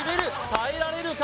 耐えられるか？